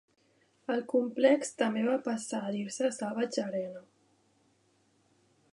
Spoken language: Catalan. El complex també va passar a dir-se Savage Arena.